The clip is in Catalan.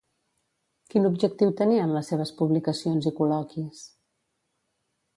Quin objectiu tenien les seves publicacions i col·loquis?